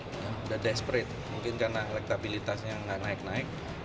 sudah desperate mungkin karena elektabilitasnya nggak naik naik